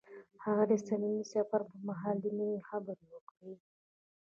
هغه د صمیمي سفر پر مهال د مینې خبرې وکړې.